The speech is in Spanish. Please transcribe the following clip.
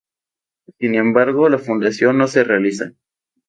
Sin embargo, la fundación no se realiza.